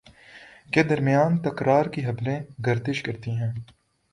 کے درمیان تکرار کی خبریں گردش کرتی ہیں